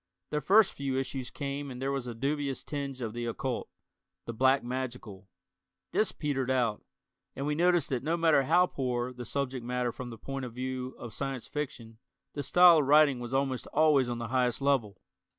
The first few issues came and there was a dubious tinge of the occult, the "black magical." This petered out, and we noticed that no matter how poor the subject matter from the point of view of Science Fiction, the style of writing was almost always on the highest level.